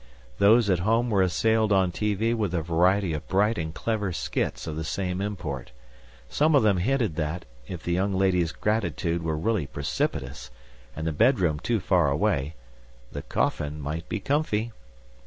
Those at home were assailed on TV with a variety of bright and clever skits of the same import. Some of them hinted that, if the young lady's gratitude were really precipitous, and the bedroom too far away, the coffin might be comfy.